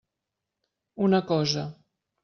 Una cosa.